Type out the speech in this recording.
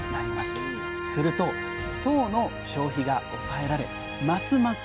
すると糖の消費が抑えられますます